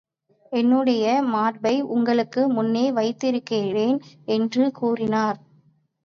என்னுடைய மார்பை உங்களுக்கு முன்னே வைத்திருக்கிறேன் என்று கூறினார்.